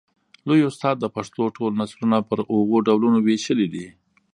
لوى استاد د پښتو ټول نثرونه پر اوو ډولونو وېشلي دي.